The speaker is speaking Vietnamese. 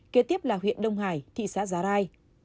kế tiếp là huyện đông hải thị xã giá rai